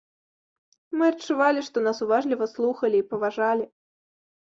Мы адчувалі, што нас уважліва слухалі і паважалі.